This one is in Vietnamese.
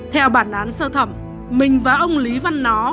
theo bản án sơ thẩm mình và ông lý văn nó